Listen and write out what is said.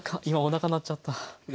今おなか鳴っちゃった。